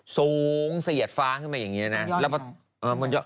สูงสะเย็ดฟ้าขึ้นไปอย่างนี้แล้วนะ